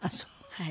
はい。